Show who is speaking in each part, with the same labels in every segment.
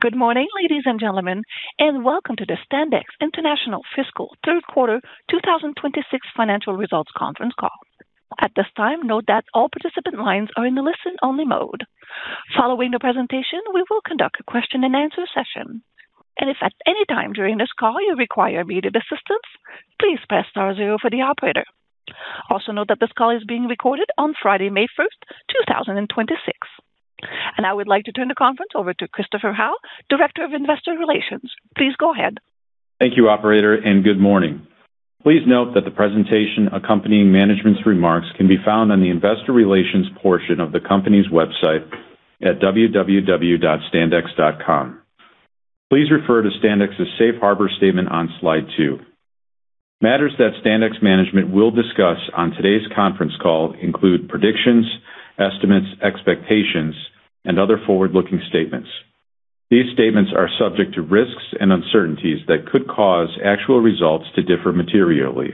Speaker 1: Good morning, ladies and gentlemen, welcome to the Standex International Fiscal Third Quarter 2026 financial results conference call. At this time, note that all participant lines are in the listen only mode. Following the presentation, we will conduct a question-and-answer session. If at any time during this call you require immediate assistance, please press star zero for the operator. Also note that this call is being recorded on Friday, May 1st, 2026. I would like to turn the conference over to Christopher Howe, Director of Investor Relations. Please go ahead.
Speaker 2: Thank you, operator, and good morning. Please note that the presentation accompanying management's remarks can be found on the investor relations portion of the company's website at www.standex.com. Please refer to Standex's safe harbor statement on slide two. Matters that Standex management will discuss on today's conference call include predictions, estimates, expectations, and other forward-looking statements. These statements are subject to risks and uncertainties that could cause actual results to differ materially.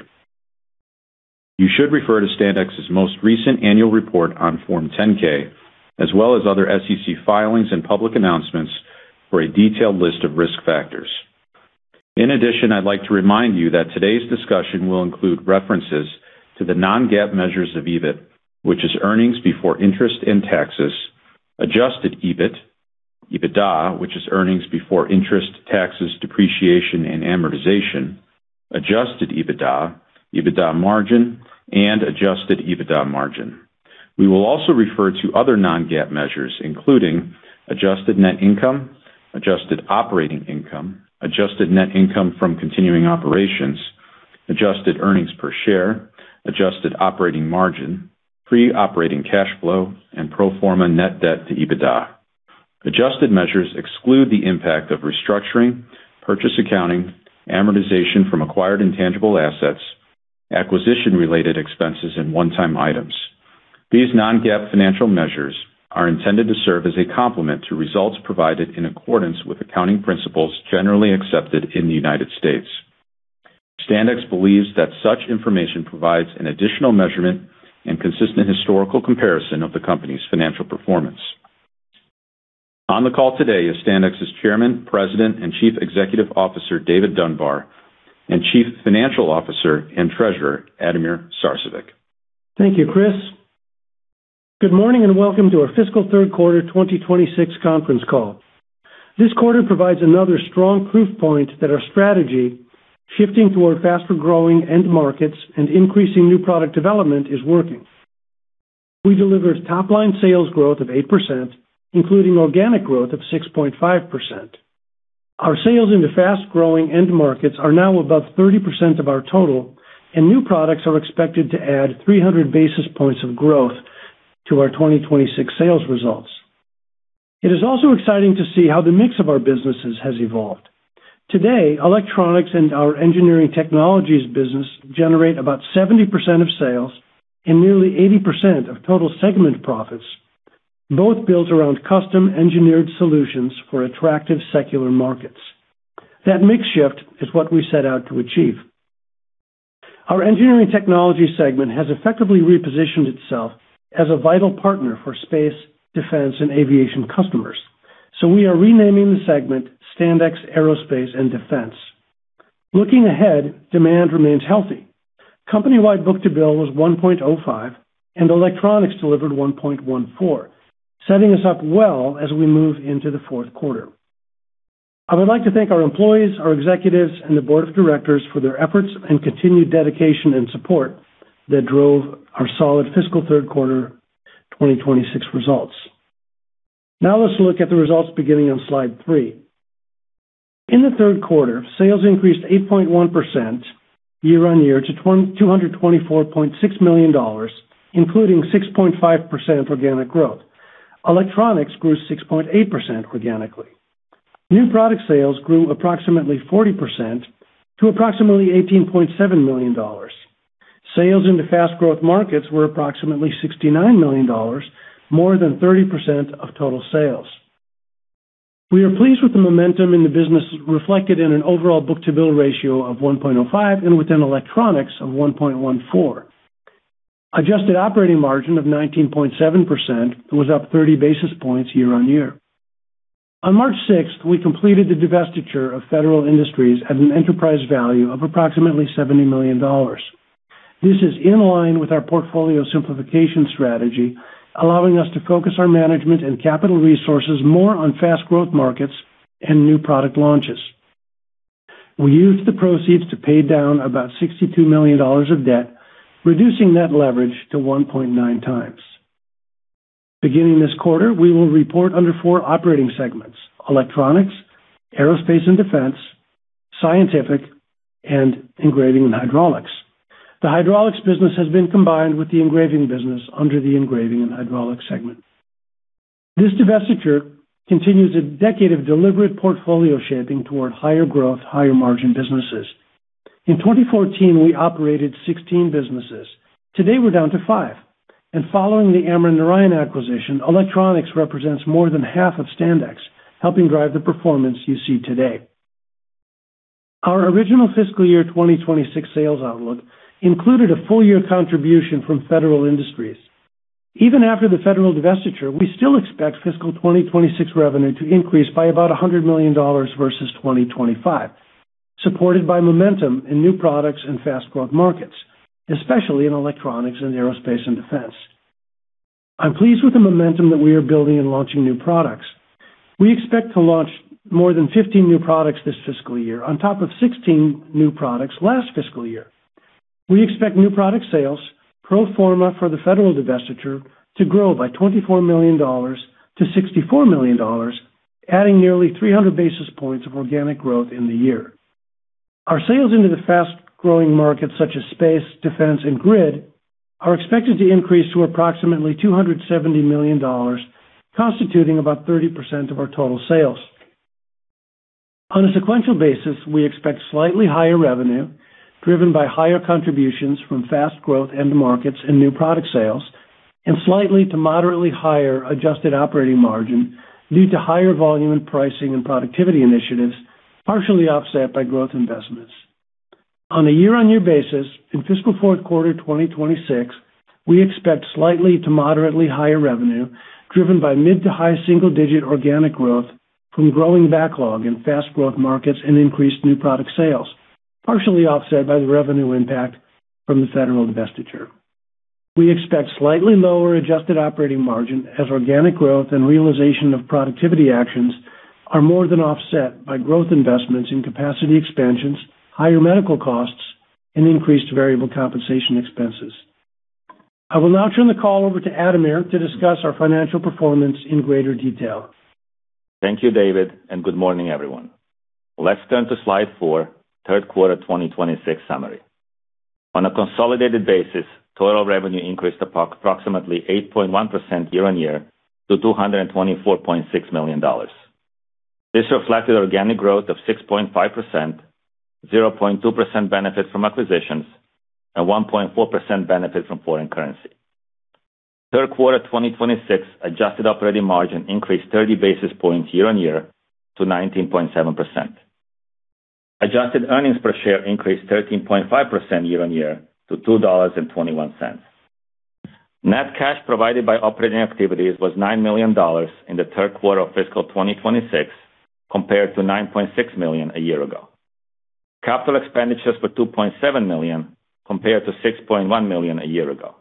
Speaker 2: You should refer to Standex's most recent annual report on Form 10-K, as well as other SEC filings and public announcements for a detailed list of risk factors. In addition, I'd like to remind you that today's discussion will include references to the non-GAAP measures of EBIT, which is earnings before interest and taxes; adjusted EBIT; EBITDA, which is earnings before interest, taxes, depreciation, and amortization; adjusted EBITDA; EBITDA margin; and adjusted EBITDA margin. We will also refer to other non-GAAP measures, including adjusted net income, adjusted operating income, adjusted net income from continuing operations, adjusted earnings per share, adjusted operating margin, pre-operating cash flow, and pro forma net debt to EBITDA. Adjusted measures exclude the impact of restructuring, purchase accounting, amortization from acquired intangible assets, acquisition-related expenses, and one-time items. These non-GAAP financial measures are intended to serve as a complement to results provided in accordance with accounting principles generally accepted in the United States. Standex believes that such information provides an additional measurement and consistent historical comparison of the company's financial performance. On the call today is Standex's Chairman, President, and Chief Executive Officer, David Dunbar, and Chief Financial Officer and Treasurer, Ademir Sarcevic.
Speaker 3: Thank you, Chris. Good morning, and welcome to our fiscal third quarter 2026 conference call. This quarter provides another strong proof point that our strategy, shifting toward faster-growing end markets and increasing new product development, is working. We delivered top-line sales growth of 8%, including organic growth of 6.5%. Our sales into fast-growing end markets are now above 30% of our total, and new products are expected to add 300 basis points of growth to our 2026 sales results. It is also exciting to see how the mix of our businesses has evolved. Today, Electronics and our Engineering Technologies business generate about 70% of sales and nearly 80% of total segment profits, both built around custom-engineered solutions for attractive secular markets. That mix shift is what we set out to achieve. Our engineering technology segment has effectively repositioned itself as a vital partner for space, defense, and aviation customers. We are renaming the segment Standex Aerospace & Defense. Looking ahead, demand remains healthy. Company-wide book-to-bill was 1.05, and electronics delivered 1.14, setting us up well as we move into the fourth quarter. I would like to thank our employees, our executives, and the board of directors for their efforts and continued dedication and support that drove our solid fiscal third quarter 2026 results. Let's look at the results beginning on slide three. In the third quarter, sales increased 8.1% year-on-year to $224.6 million, including 6.5% organic growth. Electronics grew 6.8% organically. New product sales grew approximately 40% to approximately $18.7 million. Sales into fast growth markets were approximately $69 million, more than 30% of total sales. We are pleased with the momentum in the business reflected in an overall book-to-bill ratio of 1.05 and within electronics of 1.14. Adjusted operating margin of 19.7% was up 30 basis points year-on-year. On March 6, we completed the divestiture of Federal Industries at an enterprise value of approximately $70 million. This is in line with our portfolio simplification strategy, allowing us to focus our management and capital resources more on fast growth markets and new product launches. We used the proceeds to pay down about $62 million of debt, reducing net leverage to 1.9x. Beginning this quarter, we will report under four operating segments: Electronics, Aerospace & Defense, Scientific, and Engraving and Hydraulics. The Hydraulics business has been combined with the Engraving business under the Engraving and Hydraulics segment. This divestiture continues a decade of deliberate portfolio shaping toward higher growth, higher margin businesses. In 2014, we operated 16 businesses. Today, we're down to five. Following the Amran-Narayan acquisition, Electronics represents more than half of Standex, helping drive the performance you see today. O=ur original fiscal year 2026 sales outlook included a full-year contribution from Federal Industries. Even after the Federal divestiture, we still expect fiscal 2026 revenue to increase by about $100 million versus 2025, supported by momentum in new products and fast growth markets, especially in Electronics and Aerospace & Defense. I'm pleased with the momentum that we are building in launching new products. We expect to launch more than 15 new products this fiscal year on top of 16 new products last fiscal year. We expect new product sales pro forma for the Federal divestiture to grow by $24 million-$64 million, adding nearly 300 basis points of organic growth in the year. Our sales into the fast-growing markets such as space, defense, and grid are expected to increase to approximately $270 million, constituting about 30% of our total sales. On a sequential basis, we expect slightly higher revenue driven by higher contributions from fast growth end markets and new product sales, and slightly to moderately higher adjusted operating margin due to higher volume and pricing and productivity initiatives, partially offset by growth investments. On a year-over-year basis, in fiscal fourth quarter, 2026, we expect slightly to moderately higher revenue driven by mid-to-high single-digit organic growth from growing backlog in fast growth markets and increased new product sales, partially offset by the revenue impact from the Federal divestiture. We expect slightly lower adjusted operating margin as organic growth and realization of productivity actions are more than offset by growth investments in capacity expansions, higher medical costs, and increased variable compensation expenses. I will now turn the call over to Ademir to discuss our financial performance in greater detail.
Speaker 4: Thank you, David, and good morning, everyone. Let's turn to slide four, third quarter 2026 summary. On a consolidated basis, total revenue increased approximately 8.1% year-on-year to $224.6 million. This reflected organic growth of 6.5%, 0.2% benefit from acquisitions, and 1.4% benefit from foreign currency. Third quarter 2026 adjusted operating margin increased 30 basis points year-on-year to 19.7%. Adjusted earnings per share increased 13.5% year-on-year to $2.21. Net cash provided by operating activities was $9 million in the third quarter of fiscal 2026, compared to $9.6 million a year ago. Capital expenditures were $2.7 million, compared to $6.1 million a year ago.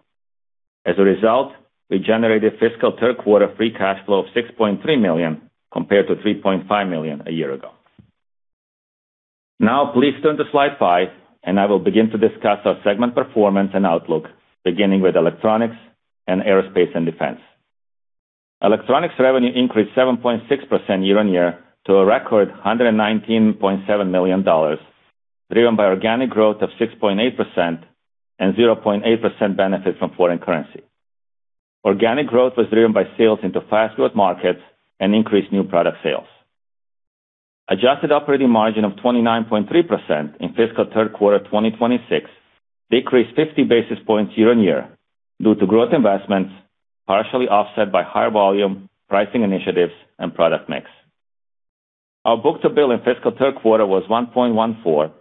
Speaker 4: As a result, we generated fiscal third quarter free cash flow of $6.3 million, compared to $3.5 million a year ago. Now please turn to slide five. I will begin to discuss our segment performance and outlook, beginning with Electronics and Aerospace & Defense. Electronics revenue increased 7.6% year-on-year to a record $119.7 million, driven by organic growth of 6.8% and 0.8% benefit from foreign currency. Organic growth was driven by sales into fast growth markets and increased new product sales. Adjusted operating margin of 29.3% in fiscal third quarter 2026 decreased 50 basis points year-on-year due to growth investments, partially offset by higher volume, pricing initiatives, and product mix. Our book-to-bill in fiscal third quarter was 1.14,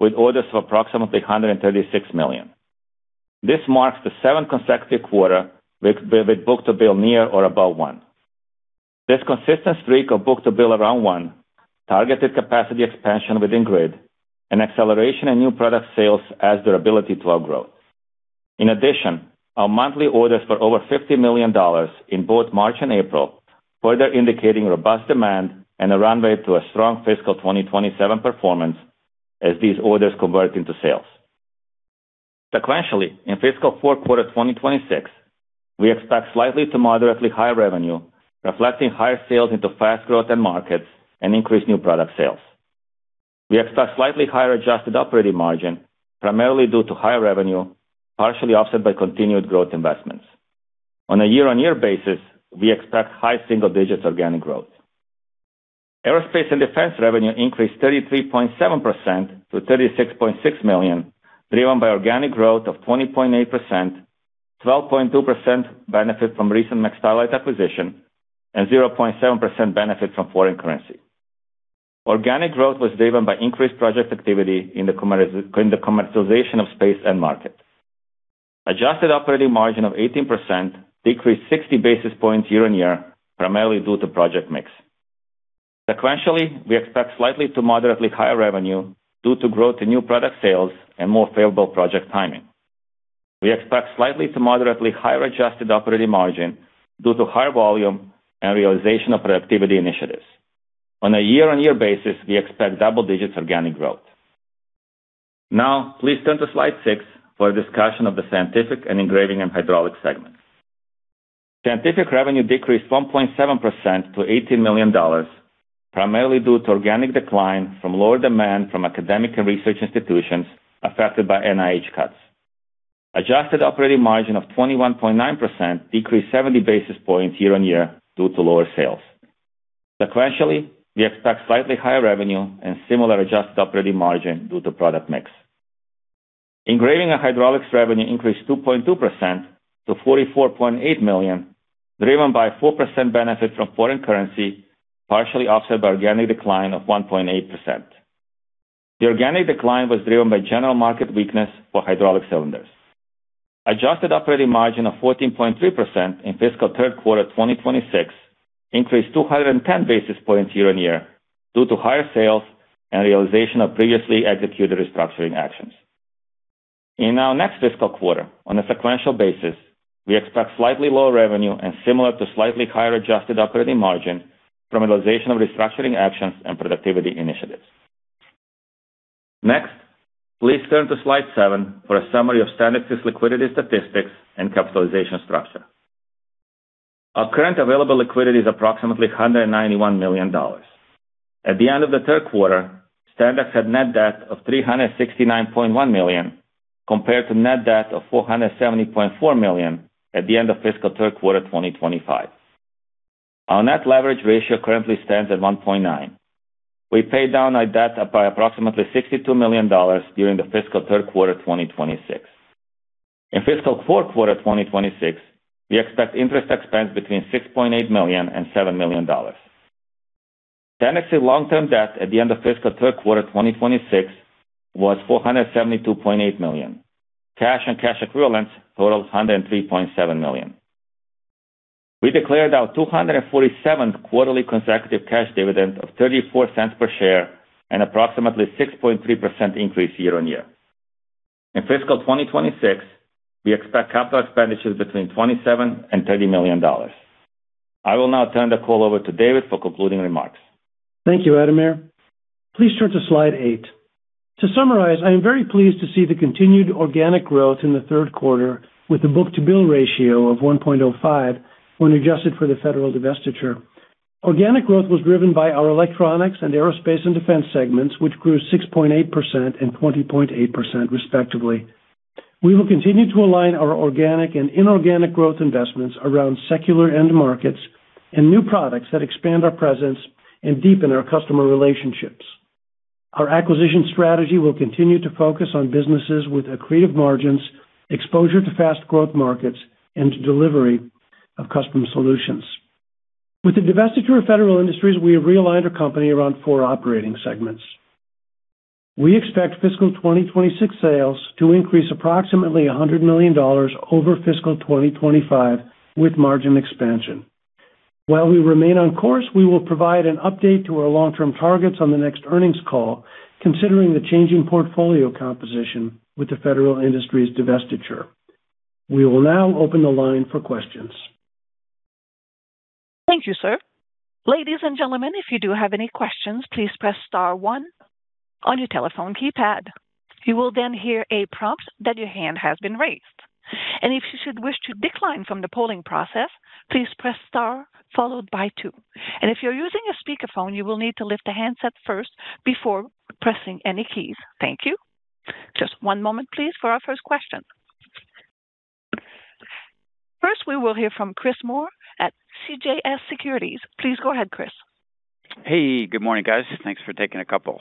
Speaker 4: with orders of approximately $136 million. This marks the seventh consecutive quarter with a book-to-bill near or above 1. This consistent streak of book-to-bill around 1 targeted capacity expansion within grid and acceleration in new product sales adds durability to our growth. Our monthly orders for over $50 million in both March and April, further indicating robust demand and a runway to a strong fiscal 2027 performance as these orders convert into sales. Sequentially, in fiscal fourth quarter 2026, we expect slightly to moderately higher revenue, reflecting higher sales into fast growth end markets and increased new product sales. We expect slightly higher adjusted operating margin, primarily due to higher revenue, partially offset by continued growth investments. On a year-on-year basis, we expect high single-digits organic growth. Aerospace & Defense revenue increased 33.7% to $36.6 million, driven by organic growth of 20.8%, 12.2% benefit from recent McStarlite acquisition, and 0.7% benefit from foreign currency. Organic growth was driven by increased project activity in the commercialization of space end market. Adjusted operating margin of 18% decreased 60 basis points year-on-year, primarily due to project mix. Sequentially, we expect slightly to moderately higher revenue due to growth in new product sales and more favorable project timing. We expect slightly to moderately higher adjusted operating margin due to higher volume and realization of productivity initiatives. On a year-on-year basis, we expect double digits organic growth. Now please turn to slide six for a discussion of the Scientific and Engraving and Hydraulics segment. Scientific revenue decreased 1.7% to $18 million, primarily due to organic decline from lower demand from academic and research institutions affected by NIH cuts. Adjusted operating margin of 21.9% decreased 70 basis points year-on-year due to lower sales. Sequentially, we expect slightly higher revenue and similar adjusted operating margin due to product mix. Engraving and Hydraulics revenue increased 2.2% to $44.8 million, driven by 4% benefit from foreign currency, partially offset by organic decline of 1.8%. The organic decline was driven by general market weakness for hydraulic cylinders. Adjusted operating margin of 14.3% in fiscal third quarter 2026 increased 210 basis points year-on-year due to higher sales and realization of previously executed restructuring actions. In our next fiscal quarter, on a sequential basis, we expect slightly lower revenue and similar to slightly higher adjusted operating margin from realization of restructuring actions and productivity initiatives. Please turn to slide seven for a summary of Standex's liquidity statistics and capitalization structure. Our current available liquidity is approximately $191 million. At the end of the third quarter, Standex had net debt of $369.1 million, compared to net debt of $470.4 million at the end of fiscal third quarter 2025. Our net leverage ratio currently stands at 1.9%. We paid down our debt by approximately $62 million during the fiscal third quarter 2026. In fiscal fourth quarter 2026, we expect interest expense between $6.8 million and $7 million. Standex's long-term debt at the end of fiscal third quarter 2026 was $472.8 million. Cash and cash equivalents totals $103.7 million. We declared our 247th quarterly consecutive cash dividend of $0.34 per share and approximately 6.3% increase year-on-year. In fiscal 2026, we expect capital expenditures between $27 million and $30 million. I will now turn the call over to David for concluding remarks.
Speaker 3: Thank you, Ademir. Please turn to slide eight. To summarize, I am very pleased to see the continued organic growth in the third quarter with a book-to-bill ratio of 1.05 when adjusted for the Federal divestiture. Organic growth was driven by our Electronics and Aerospace & Defense segments, which grew 6.8% and 20.8% respectively. We will continue to align our organic and inorganic growth investments around secular end markets and new products that expand our presence and deepen our customer relationships. Our acquisition strategy will continue to focus on businesses with accretive margins, exposure to fast growth markets, and delivery of custom solutions. With the divestiture of Federal Industries, we have realigned our company around four operating segments. We expect fiscal 2026 sales to increase approximately $100 million over fiscal 2025 with margin expansion. While we remain on course, we will provide an update to our long-term targets on the next earnings call considering the changing portfolio composition with the Federal Industries divestiture. We will now open the line for questions.
Speaker 1: Thank you, sir. Ladies and gentlemen, if you do have any questions, please press star one on your telephone keypad. You will hear a prompt that your hand has been raised. If you should wish to decline from the polling process, please press star followed by two. If you're using a speakerphone, you will need to lift the handset first before pressing any keys. Thank you. Just one moment, please, for our first question. First, we will hear from Chris Moore at CJS Securities. Please go ahead, Chris.
Speaker 5: Hey, good morning, guys. Thanks for taking a couple.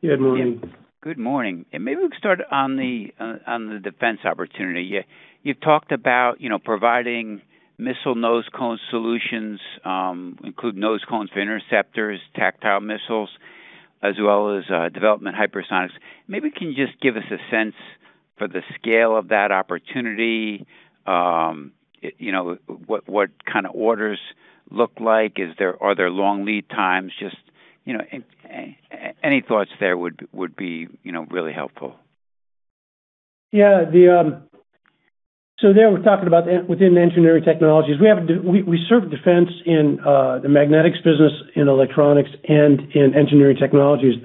Speaker 3: Good morning.
Speaker 5: Good morning. Maybe we can start on the on the defense opportunity. You've talked about, you know, providing missile nose cone solutions, including nose cones for interceptors, tactical missiles, as well as development hypersonics. Maybe can you just give us a sense for the scale of that opportunity? You know, what kinda orders look like? Are there long lead times? Just, you know, any thoughts there would be, you know, really helpful.
Speaker 3: Yeah. There, we're talking about within the Engineering Technologies. We serve defense in the magnetics business, in Electronics, and in Engineering Technologies.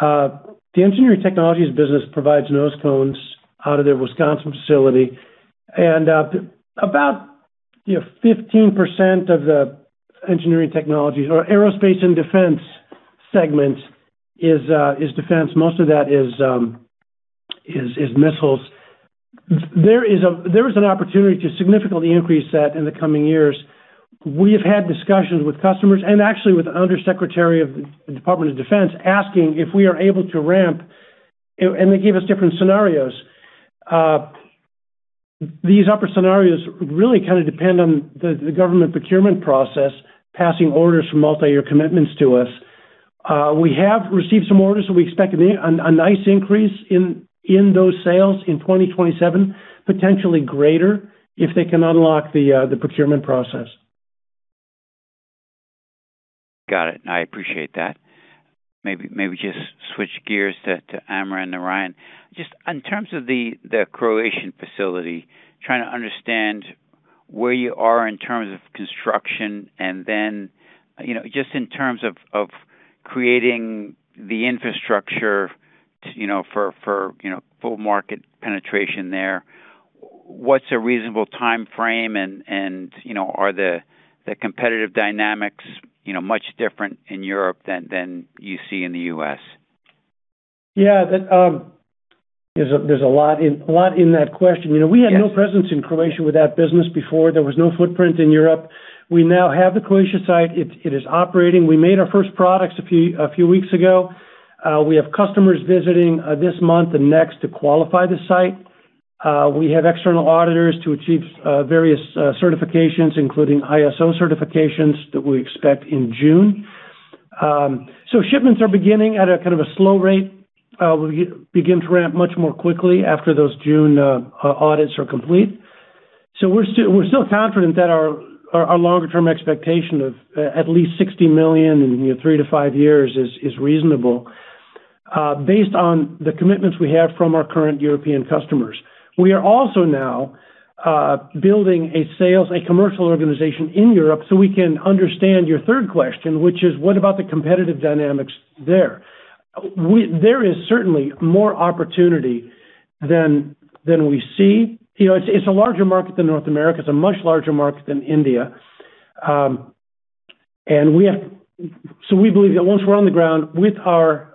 Speaker 3: The Engineering Technologies business provides nose cones out of their Wisconsin facility. About, you know, 15% of the Engineering Technologies or Aerospace & Defense segment is defense. Most of that is missiles. There is an opportunity to significantly increase that in the coming years. We have had discussions with customers and actually with the Under Secretary of the Department of Defense, asking if we are able to ramp, and they gave us different scenarios. These upper scenarios really kinda depend on the government procurement process, passing orders from multiyear commitments to us. We have received some orders, so we expect a nice increase in those sales in 2027, potentially greater if they can unlock the procurement process.
Speaker 5: Got it. I appreciate that. Maybe just switch gears to Amran-Narayan. Just in terms of the Croatian facility, trying to understand where you are in terms of construction and then, you know, just in terms of creating the infrastructure, you know, for full market penetration there. What's a reasonable timeframe and, you know, are the competitive dynamics, you know, much different in Europe than you see in the U.S.?
Speaker 3: Yeah. That, there's a lot in that question. You know.
Speaker 5: Yes.
Speaker 3: We had no presence in Croatia with that business before. There was no footprint in Europe. We now have the Croatia site. It is operating. We made our first products a few weeks ago. We have customers visiting this month and next to qualify the site. We have external auditors to achieve various certifications, including ISO certifications that we expect in June. Shipments are beginning at a kind of a slow rate. We'll begin to ramp much more quickly after those June audits are complete. We're still confident that our longer-term expectation of at least $60 million in, you know, three to five years is reasonable, based on the commitments we have from our current European customers. We are also now building a sales, a commercial organization in Europe, so we can understand your third question, which is what about the competitive dynamics there? There is certainly more opportunity than we see. You know, it's a larger market than North America. It's a much larger market than India. We believe that once we're on the ground with our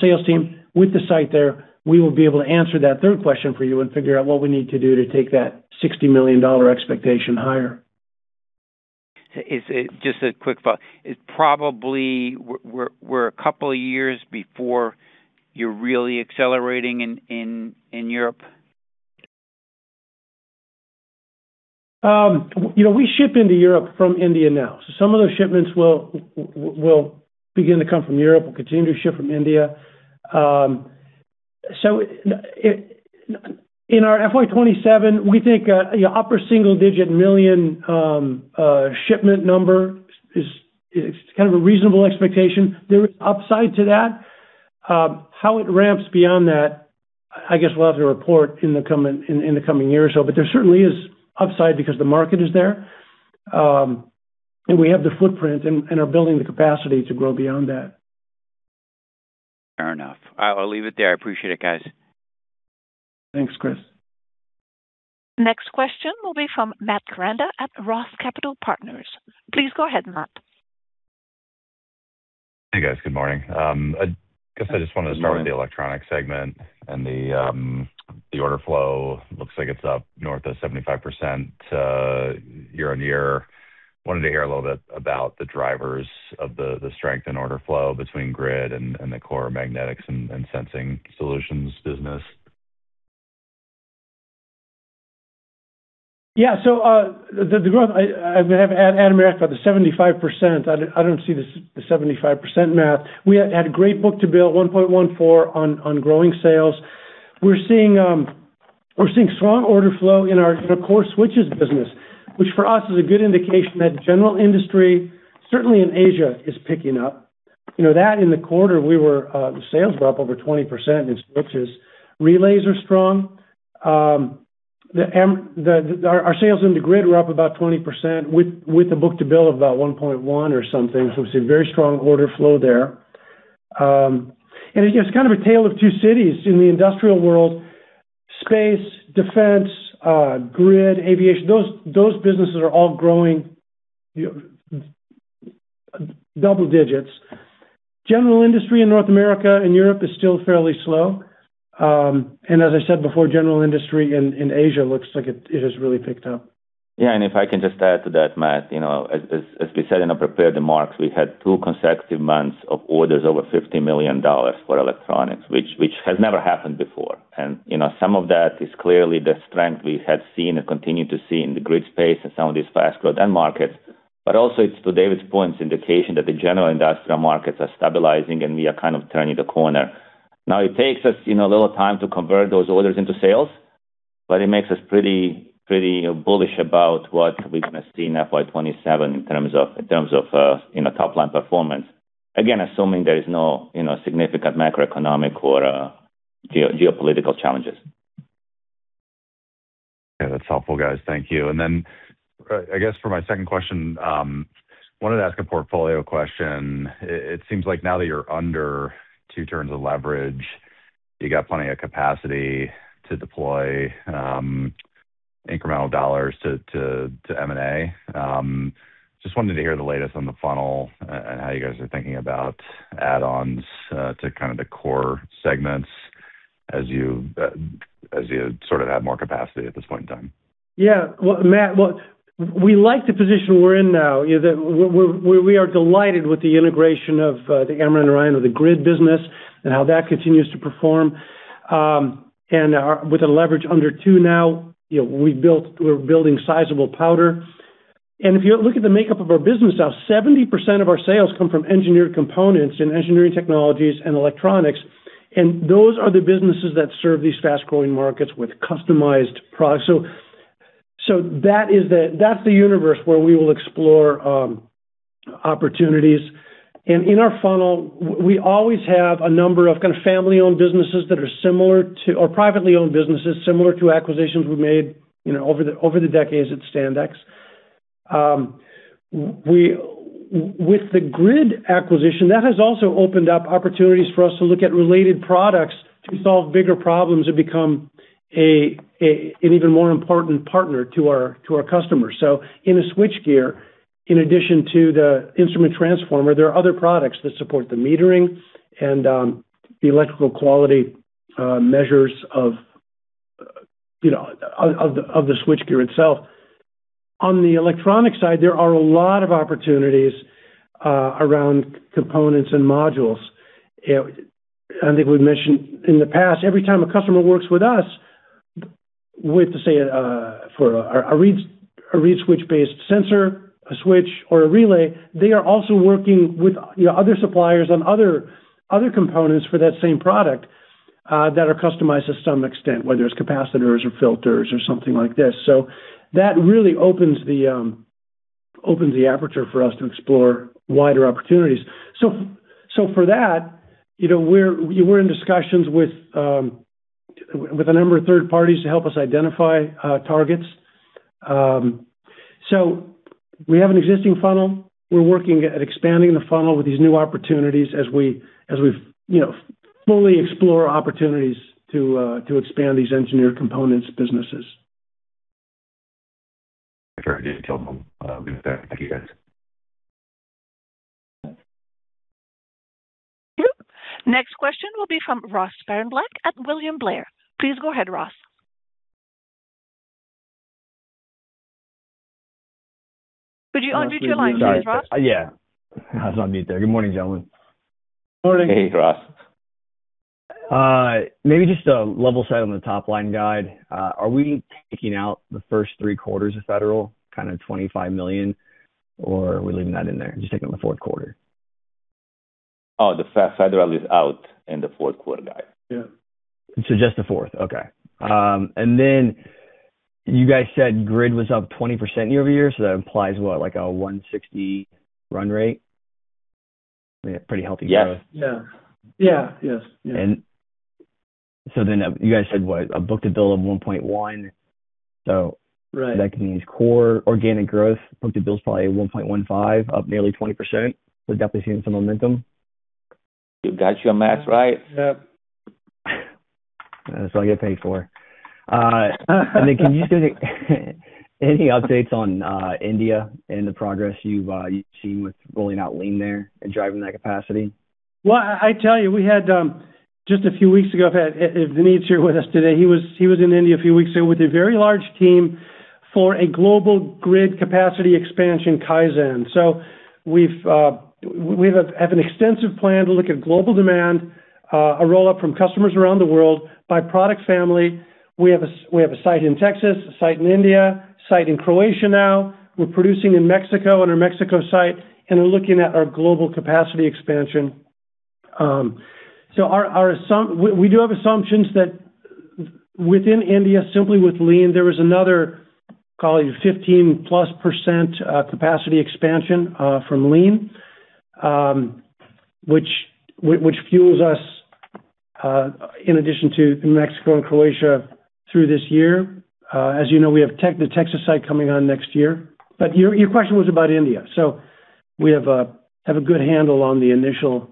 Speaker 3: sales team, with the site there, we will be able to answer that third question for you and figure out what we need to do to take that $60 million expectation higher.
Speaker 5: Just a quick follow. It's probably we're a couple of years before you're really accelerating in Europe?
Speaker 3: You know, we ship into Europe from India now. Some of those shipments will begin to come from Europe. We'll continue to ship from India. In our FY 2027, we think upper single-digit million shipment number is kind of a reasonable expectation. There is upside to that. How it ramps beyond that, I guess we'll have to report in the coming year or so. There certainly is upside because the market is there, and we have the footprint and are building the capacity to grow beyond that.
Speaker 5: Fair enough. I'll leave it there. I appreciate it, guys.
Speaker 3: Thanks, Chris.
Speaker 1: Next question will be from Matt Koranda at Roth Capital Partners. Please go ahead, Matt.
Speaker 6: Hey, guys. Good morning. I guess I just wanted to.
Speaker 3: Good morning.
Speaker 6: With the Electronic segment and the order flow. Looks like it's up north of 75% year-on-year. Wanted to hear a little bit about the drivers of the strength in order flow between grid and the core magnetics and sensing solutions business.
Speaker 3: The growth, I may have to add, Matt, about the 75%. I don't see the 75% math. We had a great book-to-bill 1.14 on growing sales. We're seeing strong order flow in our core switches business, which for us is a good indication that general industry, certainly in Asia, is picking up. You know, that in the quarter we were, the sales were up over 20% in switches. Relays are strong. Our sales in the grid were up about 20% with the book-to-bill of about 1.1 or something. It's a very strong order flow there. And again, it's kind of a tale of two cities. In the industrial world, space, defense, grid, aviation, those businesses are all growing, you know, double digits. General industry in North America and Europe is still fairly slow. As I said before, general industry in Asia looks like it has really picked up.
Speaker 4: Yeah. If I can just add to that, Matt, you know, as we said in our prepared remarks, we had two2 consecutive months of orders over $50 million for Electronics, which has never happened before. You know, some of that is clearly the strength we had seen and continue to see in the grid space and some of these fast-growing end markets. Also it's, to David's point, an indication that the general industrial markets are stabilizing, and we are kind of turning the corner. Now, it takes us, you know, a little time to convert those orders into sales, but it makes us pretty bullish about what we're gonna see in FY 2027 in terms of, you know, top-line performance. Again, assuming there is no, you know, significant macroeconomic or geopolitical challenges.
Speaker 6: Yeah. That's helpful, guys. Thank you. I guess for my second question, wanted to ask a portfolio question. It seems like now that you're under two turns of leverage, you got plenty of capacity to deploy incremental dollars to M&A. Just wanted to hear the latest on the funnel and how you guys are thinking about add-ons to kind of the core segments as you as you sort of have more capacity at this point in time.
Speaker 3: Yeah. Well, Matt, well, we like the position we're in now. You know, We are delighted with the integration of the Amran-Narayan of the grid business and how that continues to perform. With a leverage under two now, you know, we're building sizable powder. If you look at the makeup of our business now, 70% of our sales come from Engineered Components and Engineering Technologies and Electronics, and those are the businesses that serve these fast-growing markets with customized products. That's the universe where we will explore opportunities. In our funnel, we always have a number of kind of family-owned businesses that are similar to or privately owned businesses similar to acquisitions we've made, you know, over the, over the decades at Standex. With the grid acquisition, that has also opened up opportunities for us to look at related products to solve bigger problems and become an even more important partner to our customers. In a switchgear, in addition to the instrument transformer, there are other products that support the metering and the electrical quality measures of, you know, of the switchgear itself. On the Electronic side, there are a lot of opportunities around components and modules. I think we've mentioned in the past, every time a customer works with us with, say, for a reed switch-based sensor, a switch or a relay, they are also working with, you know, other suppliers on other components for that same product that are customized to some extent, whether it's capacitors or filters or something like this. That really opens the aperture for us to explore wider opportunities. For that, you know, we're in discussions with a number of third parties to help us identify targets. We have an existing funnel. We're working at expanding the funnel with these new opportunities as we, you know, fully explore opportunities to expand these engineered components businesses.
Speaker 6: Thank you, guys.
Speaker 1: Next question will be from Ross Sparenblek at William Blair. Please go ahead, Ross. Could you unmute your line, please, Ross?
Speaker 7: Sorry. Yeah. I was on mute there. Good morning, gentlemen.
Speaker 3: Morning.
Speaker 4: Hey, Ross.
Speaker 7: Maybe just a level set on the top-line guide. Are we taking out the first three quarters of Federal, kind of $25 million, or are we leaving that in there and just taking the fourth quarter?
Speaker 4: Oh, the Federal is out in the fourth quarter guide.
Speaker 3: Yeah.
Speaker 7: Just the fourth. Okay. You guys said grid was up 20% year-over-year, so that implies what? Like a $160 run rate? Pretty healthy growth.
Speaker 4: Yes.
Speaker 3: Yeah. Yeah. Yes. Yeah.
Speaker 7: You guys said what? book-to-bill of 1.1.
Speaker 3: Right.
Speaker 7: That means core organic growth, book-to-bill's probably at 1.15, up nearly 20%. Definitely seeing some momentum.
Speaker 4: You got your math right.
Speaker 3: Yep.
Speaker 7: That's what I get paid for. Can you give any updates on India and the progress you've seen with rolling out Lean there and driving that capacity?
Speaker 3: Well, I tell you, we had just a few weeks ago, if Vineet's here with us today, he was in India a few weeks ago with a very large team for a global grid capacity expansion Kaizen. We have an extensive plan to look at global demand, a roll-up from customers around the world by product family. We have a site in Texas, a site in India, a site in Croatia now. We're producing in Mexico on our Mexico site, and we're looking at our global capacity expansion. Our, our we do have assumptions that within India, simply with Lean, there was another, call it, 15%+ capacity expansion, from Lean, which fuels us, in addition to Mexico and Croatia through this year. As you know, we have the Texas site coming on next year. Your question was about India. We have a good handle on the initial,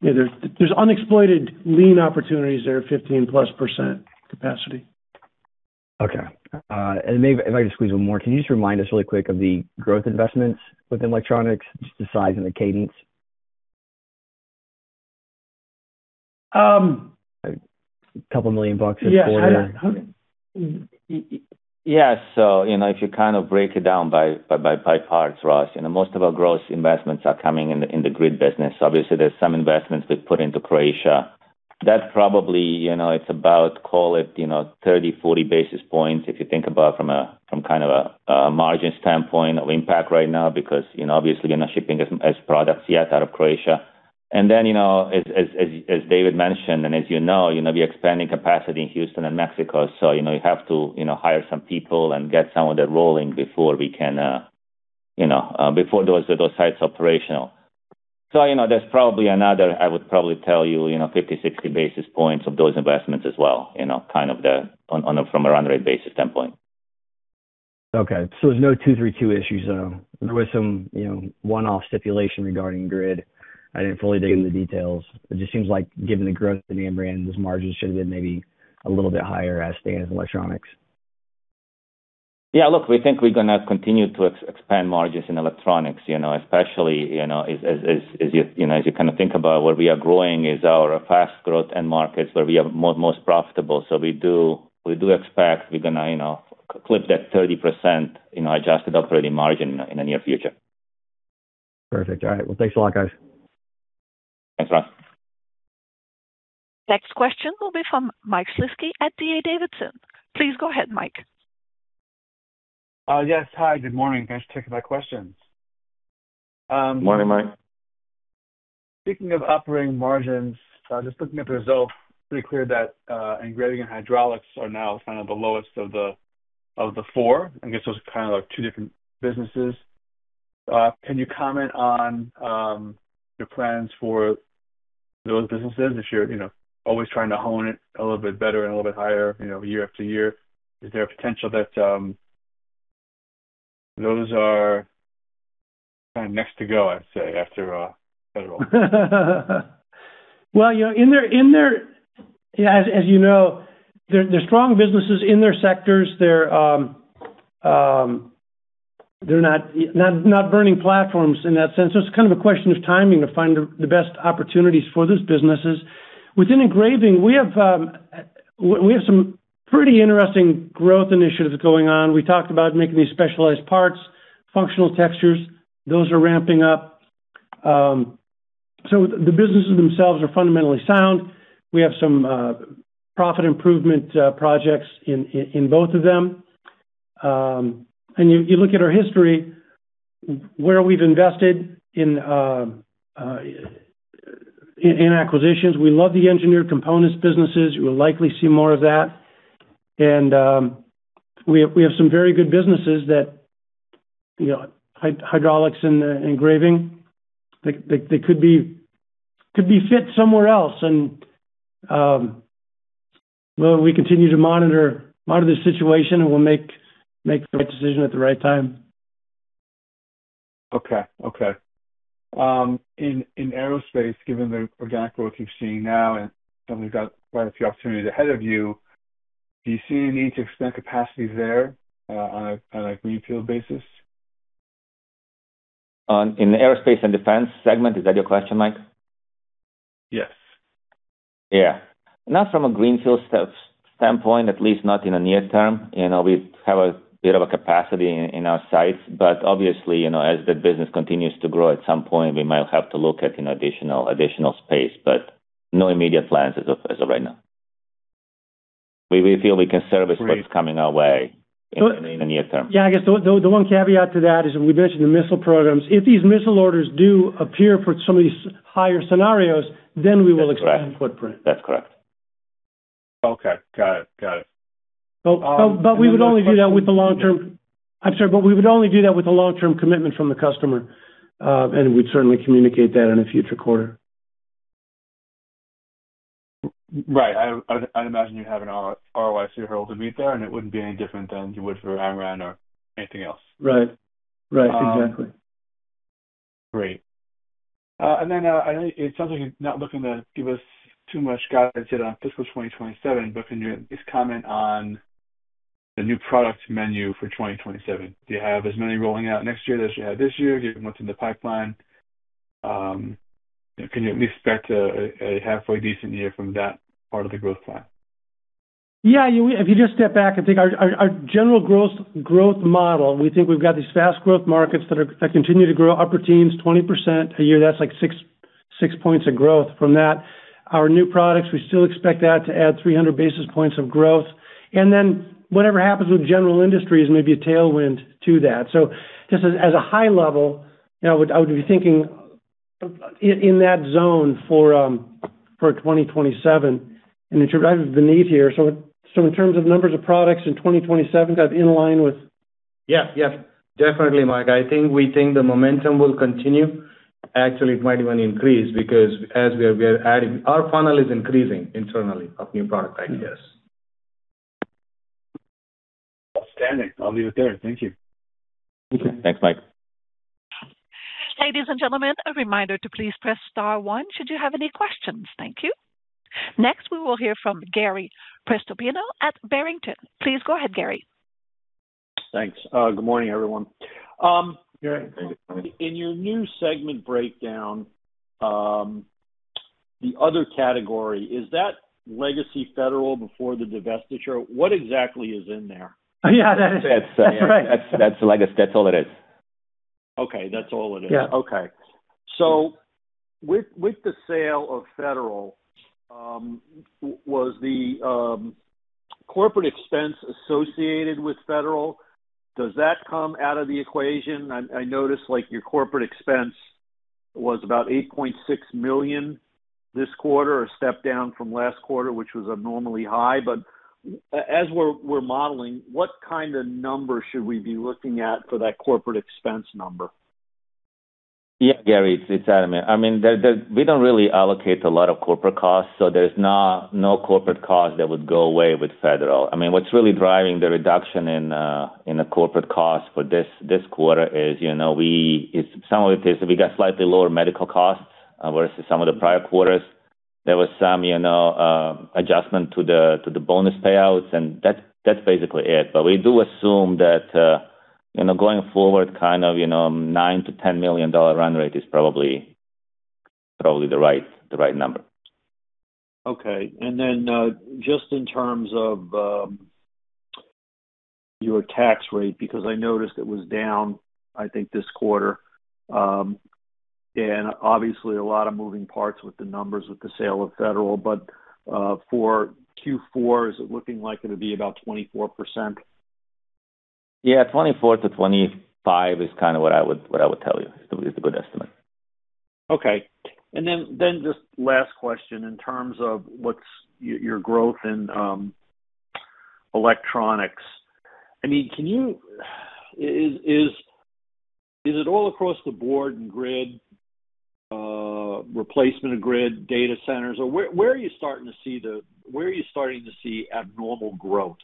Speaker 3: you know, there's unexploited Lean opportunities that are 15%+ capacity.
Speaker 7: Okay. Maybe if I could squeeze one more. Can you just remind us really quick of the growth investments within Electronics, just the size and the cadence?
Speaker 3: Um.
Speaker 7: A couple million bucks a quarter.
Speaker 3: Yeah.
Speaker 4: Yes. you know, if you kind of break it down by parts, Ross, you know, most of our growth investments are coming in the grid business. Obviously, there's some investments we've put into Croatia. That probably, you know, it's about call it, you know, 30, 40 basis points if you think about from a margin standpoint of impact right now because, you know, obviously you're not shipping as products yet out of Croatia. you know, as David mentioned, and as you know, you know, we're expanding capacity in Houston and Mexico. you know, you have to, you know, hire some people and get some of that rolling before we can, you know, before those sites operational. You know, that's probably another, I would probably tell you know, 50, 60 basis points of those investments as well, you know, kind of the on a, from a run rate basis standpoint.
Speaker 7: Okay. There's no Section 232 issues, though. There was some, you know, one-off stipulation regarding grid. I didn't fully dig into the details. It just seems like given the growth in Amran, those margins should have been maybe a little bit higher as stated in Electronics.
Speaker 4: Yeah. Look, we think we're gonna continue to expand margins in Electronics, you know, especially, you know, as you know, as you kind of think about where we are growing is our fast growth end markets where we are most profitable. We do expect we're gonna, you know, clip that 30% in our adjusted operating margin in the near future.
Speaker 7: Perfect. All right. Well, thanks a lot, guys.
Speaker 4: Thanks, Ross.
Speaker 1: Next question will be from Mike Shlisky at D.A. Davidson. Please go ahead, Mike.
Speaker 8: Yes. Hi, good morning. Thanks for taking my questions.
Speaker 4: Morning, Mike.
Speaker 8: Speaking of operating margins, just looking at the results, pretty clear that Engraving and Hydraulics are now kind of the lowest of the four. I guess those are kind of like two different businesses. Can you comment on your plans for those businesses if you're, you know, always trying to hone it a little bit better and a little bit higher, you know, year after year. Is there a potential that those are kind of next to go, I'd say, after Federal?
Speaker 3: You know, as you know, they're strong businesses in their sectors. They're not burning platforms in that sense. It's kind of a question of timing to find the best opportunities for those businesses. Within Engraving, we have some pretty interesting growth initiatives going on. We talked about making these specialized parts, functional textures. Those are ramping up. The businesses themselves are fundamentally sound. We have some profit improvement projects in both of them. You look at our history, where we've invested in acquisitions. We love the engineered components businesses. You will likely see more of that. We have some very good businesses that, you know, Hydraulics and Engraving that could be fit somewhere else and, well, we continue to monitor the situation, and we'll make the right decision at the right time.
Speaker 8: Okay. Okay. In Aerospace, given the organic growth you're seeing now and something's got quite a few opportunities ahead of you, do you see a need to expand capacities there, on a greenfield basis?
Speaker 4: In the Aerospace & Defense segment, is that your question, Mike?
Speaker 8: Yes.
Speaker 4: Not from a greenfield standpoint, at least not in the near term. You know, we have a bit of a capacity in our sites, obviously, you know, as the business continues to grow, at some point we might have to look at, you know, additional space, no immediate plans as of right now. We feel we can service.
Speaker 8: Great.
Speaker 4: What's coming our way in the near term.
Speaker 3: Yeah, I guess the one caveat to that is we mentioned the missile programs. If these missile orders do appear for some of these higher scenarios, then.
Speaker 4: That's correct.
Speaker 3: Expand footprint.
Speaker 4: That's correct.
Speaker 8: Okay. Got it. Got it.
Speaker 3: I'm sorry, we would only do that with a long-term commitment from the customer. We'd certainly communicate that in a future quarter.
Speaker 8: Right. I'd imagine you'd have an ROI threshold to meet there, and it wouldn't be any different than you would for Amran or anything else.
Speaker 3: Right. Right.
Speaker 8: Um.
Speaker 3: Exactly.
Speaker 8: Great. I know it sounds like you're not looking to give us too much guidance yet on fiscal 2027, but can you at least comment on the new product menu for 2027? Do you have as many rolling out next year as you had this year, given what's in the pipeline? Can you at least expect a halfway decent year from that part of the growth plan?
Speaker 3: Yeah, if you just step back and think our general growth model, we think we've got these fast growth markets that continue to grow upper teens, 20% a year. That's like 6 points of growth from that. Our new products, we still expect that to add 300 basis points of growth. Whatever happens with general industries may be a tailwind to that. Just as a high level, you know, I would be thinking in that zone for 2027. In terms of the need here, so in terms of numbers of products in 2027.
Speaker 4: Yeah. Yeah. Definitely, Mike. I think we think the momentum will continue. Actually, it might even increase because as we are adding, our funnel is increasing internally of new product ideas.
Speaker 8: Outstanding. I'll leave it there. Thank you.
Speaker 4: Okay. Thanks, Mike.
Speaker 1: Ladies and gentlemen, a reminder to please press star one should you have any questions. Thank you. Next, we will hear from Gary Prestopino at Barrington. Please go ahead, Gary.
Speaker 9: Thanks. Good morning, everyone.
Speaker 3: Gary.
Speaker 9: In your new segment breakdown, the other category, is that legacy Federal before the divestiture? What exactly is in there?
Speaker 3: Yeah, that is.
Speaker 4: That's.
Speaker 3: That's right.
Speaker 4: That's legacy. That's all it is.
Speaker 9: Okay. That's all it is.
Speaker 3: Yeah.
Speaker 9: Okay. With the sale of Federal, was the corporate expense associated with Federal, does that come out of the equation? I noticed, like, your corporate expense was about $8.6 million this quarter, a step down from last quarter, which was abnormally high. As we're modeling, what kind of number should we be looking at for that corporate expense number?
Speaker 4: Yeah, Gary, it's Ademir. I mean, we don't really allocate a lot of corporate costs, so there's not no corporate cost that would go away with Federal. I mean, what's really driving the reduction in the corporate cost for this quarter is, you know, it's some of it is we got slightly lower medical costs versus some of the prior quarters. There was some, you know, adjustment to the bonus payouts, that's basically it. We do assume that, you know, going forward, kind of, you know, $9 million-$10 million run rate is probably the right number.
Speaker 9: Okay. Just in terms of your tax rate, because I noticed it was down, I think, this quarter, and obviously a lot of moving parts with the numbers with the sale of Federal, but for Q4, is it looking like it'll be about 24%?
Speaker 4: Yeah, 24%-25% is kind of what I would, what I would tell you is a good estimate.
Speaker 9: Okay. Then just last question, in terms of what's your growth in electronics. I mean, is it all across the board in grid, replacement of grid, data centers, or where are you starting to see abnormal growth?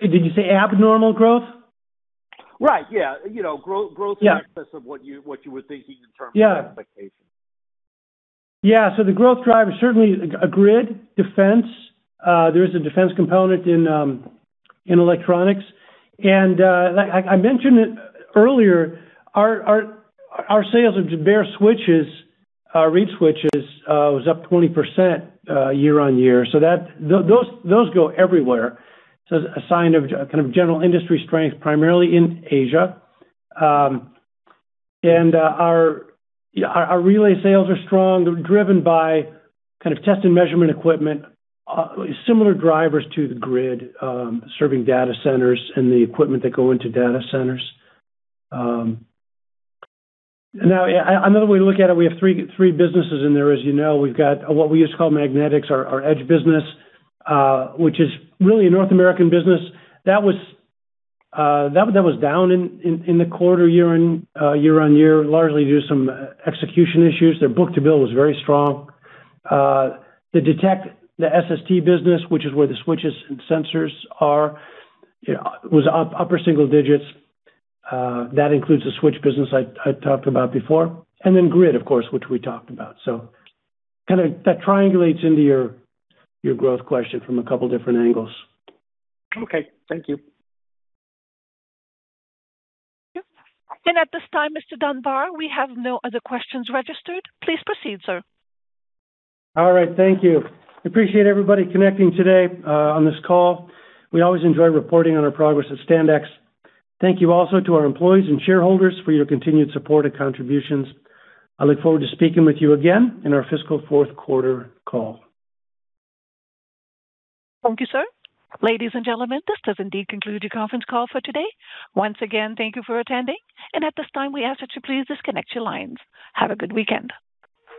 Speaker 3: Did you say abnormal growth?
Speaker 9: Right. Yeah. You know.
Speaker 3: Yeah.
Speaker 9: Growth in excess of what you, what you were thinking in terms of.
Speaker 3: Yeah.
Speaker 9: Expectation.
Speaker 3: Yeah. The growth driver is certainly grid, defense. There is a defense component in Electronics. Like I mentioned it earlier, our sales of bare switches, reed switches, was up 20% year-on-year. Those go everywhere. It's a sign of kind of general industry strength, primarily in Asia. Our relay sales are strong, driven by kind of test and measurement equipment, similar drivers to the grid, serving data centers and the equipment that go into data centers. Now, another way to look at it, we have three businesses in there. As you know, we've got what we used to call magnetics, our Edge business, which is really a North American business. That was down in the quarter year-on-year, largely due to some execution issues. Their book-to-bill was very strong. The Detect, the SST business, which is where the switches and sensors are, you know, was up upper single digits. That includes the switch business I talked about before. Grid, of course, which we talked about. Kind of that triangulates into your growth question from a couple different angles.
Speaker 9: Okay. Thank you.
Speaker 1: At this time, Mr. Dunbar, we have no other questions registered. Please proceed, sir.
Speaker 3: All right. Thank you. Appreciate everybody connecting today on this call. We always enjoy reporting on our progress at Standex. Thank you also to our employees and shareholders for your continued support and contributions. I look forward to speaking with you again in our fiscal fourth quarter call.
Speaker 1: Thank you, sir. Ladies and gentlemen, this does indeed conclude your conference call for today. Once again, thank you for attending. At this time, we ask that you please disconnect your lines. Have a good weekend.